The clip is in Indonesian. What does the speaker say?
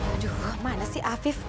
aduh mana sih afif